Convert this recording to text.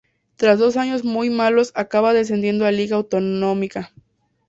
Tras dos años muy malos acaba descendiendo a Liga Autonómica.